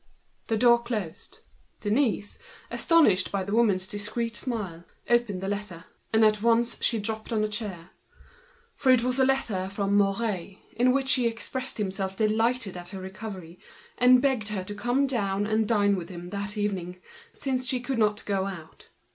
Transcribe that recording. The door closed. Denise, astonished by this woman's discreet smile, opened the letter. She dropped on to a chair; it was a letter from Mouret, in which he expressed himself delighted at her recovery, and begged her to go down and dine with him that evening, as she could not go out.